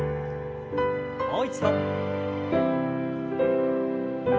もう一度。